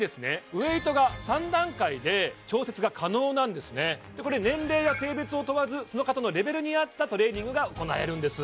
ウエイトが３段階で調節が可能なんですねでこれ年齢や性別を問わずその方のレベルに合ったトレーニングが行えるんです